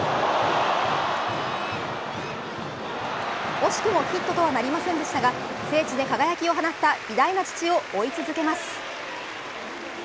惜しくもヒットとはなりませんでしたが聖地で輝きを放った偉大な父を追い続けます。